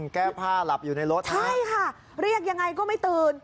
แก้ผ้าหลับอยู่ในรถใช่ค่ะเรียกยังไงก็ไม่ตื่น